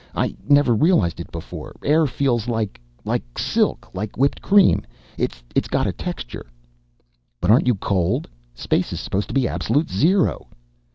I never realized it before. Air feels like like silk, like whipped cream it's got texture...." "But aren't you cold? Space is supposed to be absolute zero!"